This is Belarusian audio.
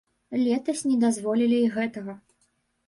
Летась не дазволілі і гэтага.